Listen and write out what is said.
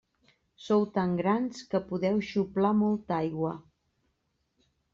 Sou tan grans que podeu xuplar molta aigua.